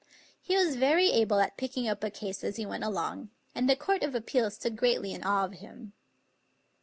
He was very able at picking up a case as he went along, and the Court of Appeals stood greatly in awe of him.